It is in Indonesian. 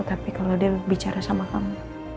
tapi kalau dia bicara sama kamu